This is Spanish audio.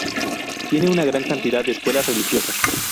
Tiene una gran cantidad de escuelas religiosas.